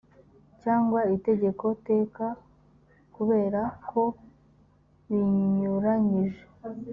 cyangwa itegeko teka kubera ko binyuranyije